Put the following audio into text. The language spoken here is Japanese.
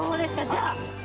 じゃあ。